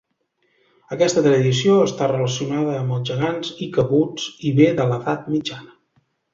Aquesta tradició està relacionada amb els gegants i cabuts i ve de l'edat mitjana.